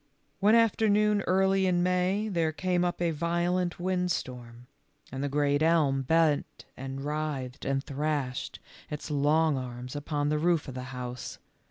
One afternoon early in May there came up a violent wind storm, and the great elm bent HOW COCK ROBIN SAVED HIS FAMILY. 45 and writhed and thrashed its long arms upon the roof of the house.